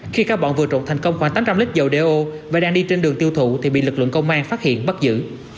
khi các bọn vừa trộn thành công khoảng tám trăm linh lít dầu đeo và đang đi trên đường tiêu thụ thì bị lực lượng công an phát hiện bắt giữ